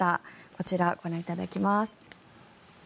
こちら、ご覧いただきます。